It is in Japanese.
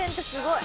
すごい！